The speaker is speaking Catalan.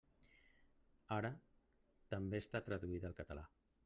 Ara també està traduïda al català.